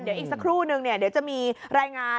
เดี๋ยวอีกสักครู่หนึ่งจะมีรายงาน